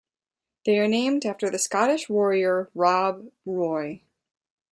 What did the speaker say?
They are named after the Scottish warrior Rob Roy.